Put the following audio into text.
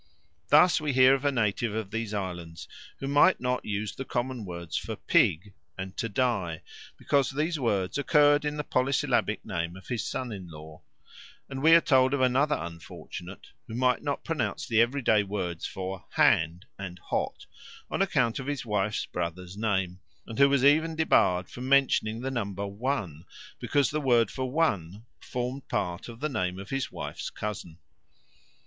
Thus we hear of a native of these islands who might not use the common words for "pig" and "to die," because these words occurred in the polysyllabic name of his son in law; and we are told of another unfortunate who might not pronounce the everyday words for "hand" and "hot" on account of his wife's brother's name, and who was even debarred from mentioning the number "one," because the word for "one" formed part of the name of his wife's cousin.